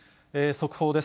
速報です。